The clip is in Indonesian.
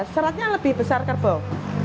seratnya lebih besar kerbau